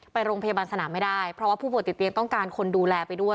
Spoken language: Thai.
ไปโรงพยาบาลสนามไม่ได้เพราะว่าผู้ป่วยติดเตียงต้องการคนดูแลไปด้วย